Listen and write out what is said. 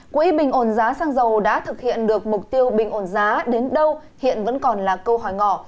quỹ bình ổn giá xăng dầu đã thực hiện được mục tiêu bình ổn giá đến đâu hiện vẫn còn là câu hỏi ngỏ